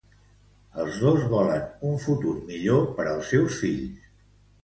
Els dos volen un futur millor per als seus fills.